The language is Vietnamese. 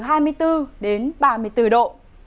nhiệt độ giao động từ hai mươi bốn đến hai mươi bốn độ